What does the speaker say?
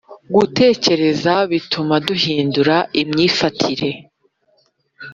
Gutekereza bituma duhindura imyifatire